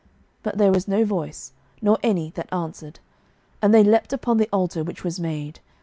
But there was no voice, nor any that answered. And they leaped upon the altar which was made.